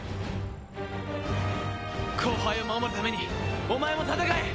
後輩を守るためにお前も戦え！